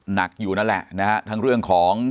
หนักอยู่นั่นแหละนะฮะทั้งเรื่องของ